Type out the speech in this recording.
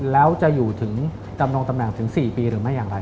แล้วจะอยู่ถึงจำนงตำแหน่งถึง๔ปีหรือไม่อย่างไร